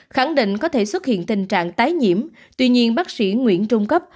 khẳng định có thể xuất hiện tình trạng tái nhiễm tuy nhiên bác sĩ nguyễn trung cấp